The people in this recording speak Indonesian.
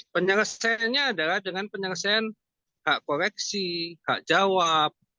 penyelesaiannya adalah dengan penyelesaian hak koreksi hak jawab